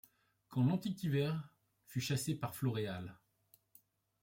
Quand l'antique hiver fut chassé par Floréal